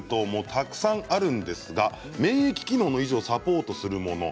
たくさんあるんですが免疫機能の維持をサポートするもの